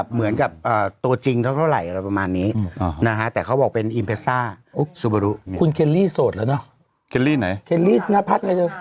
คุณเคลลี่โสดหรอเนอะทำไมโสดไหมโสดมาไหนเลิกละ